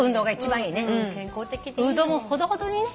運動もほどほどにね。